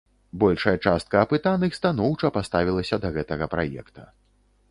Большая частка апытаных станоўча паставілася да гэтага праекта.